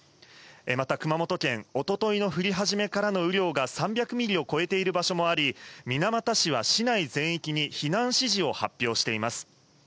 また熊本県、おとといの降り始めからの雨量が３００ミリを超えている場所もあり、水俣市は市内全域に避難指示を発表しています。